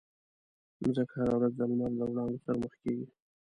مځکه هره ورځ د لمر د وړانګو سره مخ کېږي.